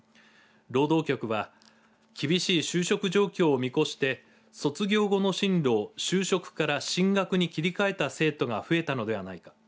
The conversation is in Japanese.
労働局は厳しい就職状況を見越して卒業後の進路を就職から進学に切り替えた生徒が増えたのではないか。